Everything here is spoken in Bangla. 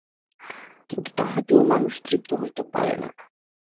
কিন্তু তাহাতেও মানুষ তৃপ্ত হইতে পারে নাই।